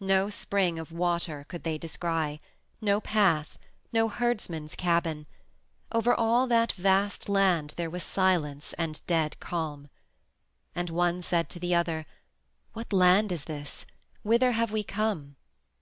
No spring of water could they descry; no path; no herdsman's cabin; over all that vast land there was silence and dead calm. And one said to the other: "What land is this? Whither have we come?